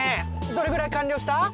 どれぐらい完了した？